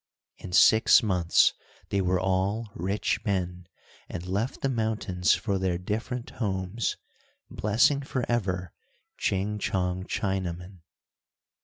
In six months they were all rich men, and left the mountains for their different homes, blessing forever Ching Chong Chinaman.